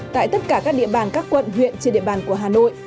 tại tất cả các địa bàn các quận huyện trên địa bàn của hà nội